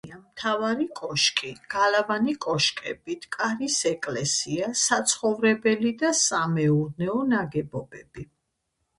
ესენია: მთავარი კოშკი, გალავანი კოშკებით, კარის ეკლესია, საცხოვრებელი და სამეურნეო ნაგებობები.